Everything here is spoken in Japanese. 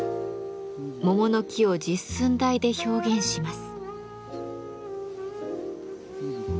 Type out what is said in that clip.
桃の木を「実寸大」で表現します。